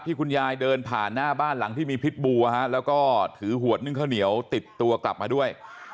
คุณยายเดินผ่านหน้าบ้านหลังที่มีพิษบูแล้วก็ถือขวดนึ่งข้าวเหนียวติดตัวกลับมาด้วย